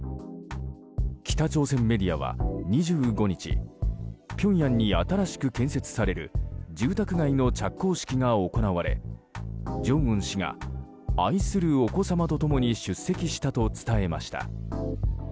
北朝鮮メディアは２５日ピョンヤンに新しく建設される住宅街の着工式が行われ正恩氏が、愛するお子様と共に出席したと伝えました。